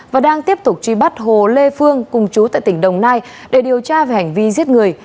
và đang tiếp tục truy bắt hồ lê phương cùng chú tại tỉnh đồng nai để điều tra về hành vi giết người